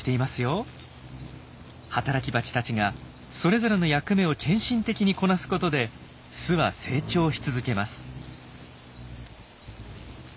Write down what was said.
働きバチたちがそれぞれの役目を献身的にこなすことで巣は成長し続けます。